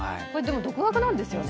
独学なんですよね？